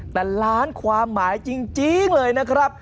แต่ล้านความหมายจริงเลยนะครับ